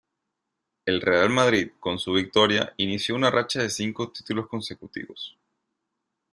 El Real Madrid, con su victoria, inició una racha de cinco títulos consecutivos.